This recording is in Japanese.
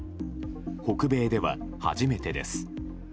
北米では初めてです。